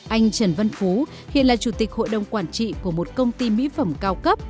anh trần văn phú hiện là chủ tịch hội đồng quản trị của một công ty mỹ phẩm cao cấp